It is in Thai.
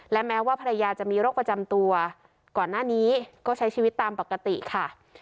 และแม้ว่าภรรยาจะมีโรคประจำตัวก่อนหน้านี้ก็ใช้ชีวิตตามปกติค่ะ